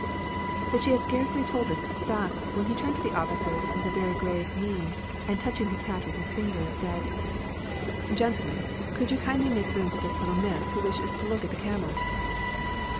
But she had scarcely told this to Stas, when he turned to the officers with a very grave mien and, touching his hat with his finger, said: "Gentlemen, could you kindly make room for this little Miss who wishes to look at the camels?"